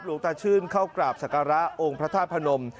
หลวงตาชื่นเข้ากราบศักระองค์พระธาตุพนม